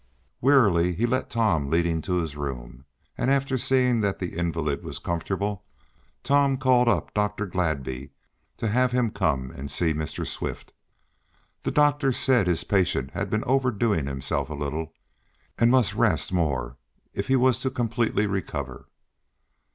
Wearily he let Tom lead him to his room, and after seeing that the invalid was comfortable Tom called up Dr. Gladby, to have him come and see Mr. Swift. The doctor said his patient had been overdoing himself a little, and must rest more if he was to completely recover.